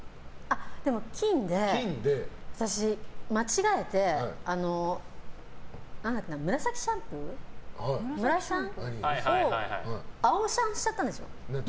金で、間違えてムラサキシャンプームラシャンを青シャンしちゃったんですよ。